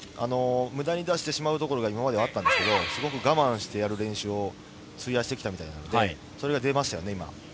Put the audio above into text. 無駄に出してしまうところが今まであったんですけど、すごく我慢してやる練習を費やしてきたみたいなのでそれが出ましたね。